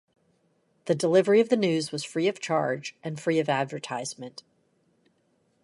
The delivery of the news was free of charge and free of advertisement.